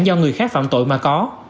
do người khác phạm tội mà có